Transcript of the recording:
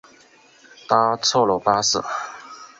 搭错了巴士